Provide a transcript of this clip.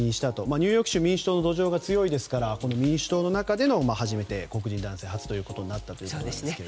ニューヨーク州民主党の土壌が強いですから民主党の中でも初めて黒人男性初となったということですが。